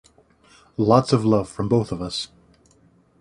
Lots of love from both of us.